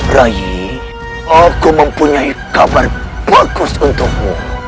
ray aku mempunyai kabar bagus untukmu